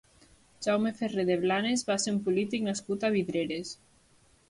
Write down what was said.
Jaume Ferrer de Blanes va ser un polític nascut a Vidreres.